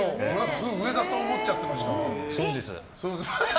すごく上だと思っちゃってました。